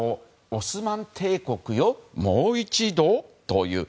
オスマン帝国よ、もう一度？という。